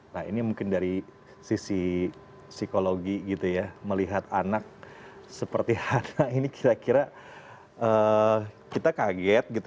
nah ini mungkin dari sisi psikologi gitu ya melihat anak seperti hana ini kira kira kita kaget gitu ya orang tua gitu ya